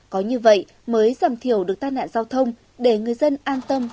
có như vậy mới giảm thiểu được tai nạn giao thông để người dân an tâm